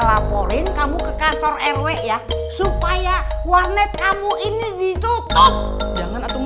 laporin kamu ke kantor rw ya supaya warnet kamu ini ditutup jangan atau